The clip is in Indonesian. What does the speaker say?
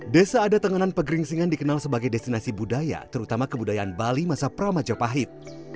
desa adat tenganan pegering singa dikenal sebagai destinasi budaya terutama kebudayaan bali masa pra majapahit